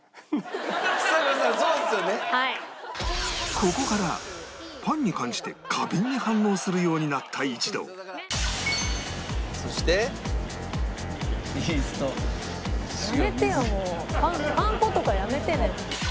ここからパンに関して過敏に反応するようになった一同そしてイースト塩水。